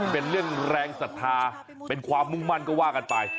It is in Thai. เป็นเรื่องแรงศรัทธาเป็นความมุ่งมั่นก็ว่ากันไป